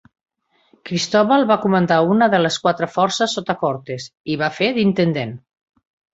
Cristóbal va comandar una de les quatre forces sota Cortes, i va fer d'intendent.